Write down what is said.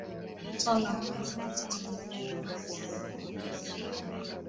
mto na kupitia msitu mnene na usio